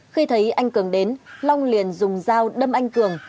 khi thấy anh cường đến long liền dùng dao đâm anh cường